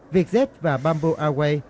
vietjet và bamboo airways